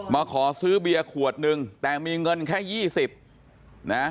มาขอซื้อเบียร์ขวดนึงแต่มีเงินแค่๒๐นะ